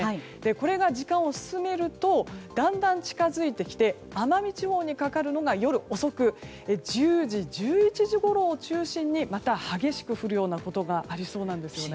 これが時間を進めるとだんだん近づいてきて奄美地方にかかるのが夜遅く、１０時１１時ごろを中心に激しく降ることがありそうです。